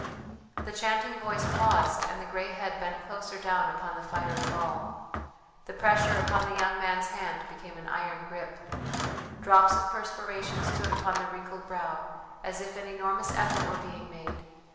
The chanting voice paused and the grey head bent closer down upon the fiery ball; the pressure upon the young man's hand became an iron grip. Drops of perspiration stood upon the wrinkled brow as if an enormous effort were being made.